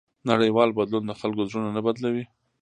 نړیوال بدلون د خلکو زړونه نه بدلوي.